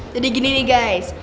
jadi gini nih guys